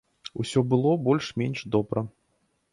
Усё было больш-менш добра.